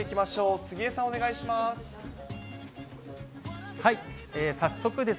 杉江さん、お願いします。